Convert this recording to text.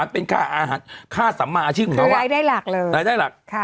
เป็นค่าอาหารค่าสัมมาอาชีพของเขารายได้หลักเลยรายได้หลักค่ะ